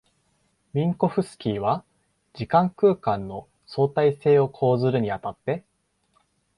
ミンコフスキーは時間空間の相対性を講ずるに当たって、